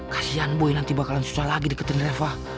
kasian bu nanti bakalan susah lagi deketin reva